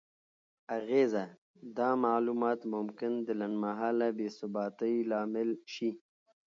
اغیزه: دا معلومات ممکن د لنډمهاله بې ثباتۍ لامل شي؛